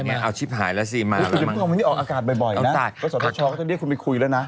เพราะว่าสถานีชอมก็จะเรียกคุณไปคุยแล้วนะ